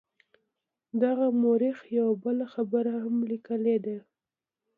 دغه مورخ یوه بله خبره هم لیکلې ده.